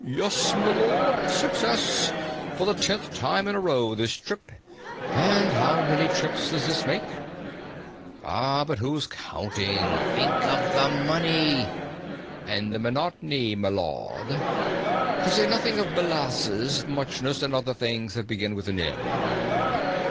"Yes, m'lud. Success. For the tenth time in a row, this trip. And how many trips does this make?" "Ah, but who's counting? Think of the money!" "And the monotony, m'lud. To say nothing of molasses, muchness, and other things that begin with an M."